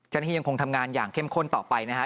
ยังคงทำงานอย่างเข้มข้นต่อไปนะฮะ